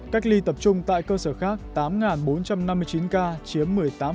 cách ly tập trung tại cơ sở khác tám bốn trăm năm mươi chín ca chiếm một mươi tám